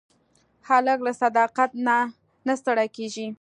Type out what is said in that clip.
هلک له صداقت نه نه ستړی کېږي.